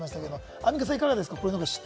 アンミカさん、いかがですか？